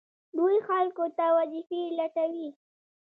دوی خلکو ته وظیفې لټوي.